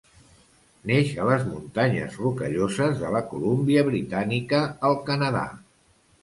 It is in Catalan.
Neix a les Muntanyes Rocalloses de la Colúmbia Britànica, al Canadà.